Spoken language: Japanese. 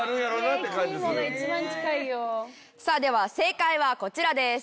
では正解はこちらです。